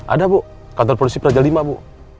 ada bu kantor polisi praja lima bu